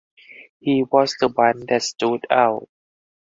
He was the one that stood out.